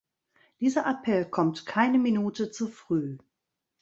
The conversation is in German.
Dieser Appell kommt keine Minute zu früh.